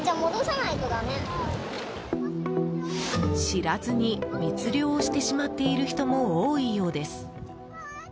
知らずに密漁をしてしまっている人も多いようです。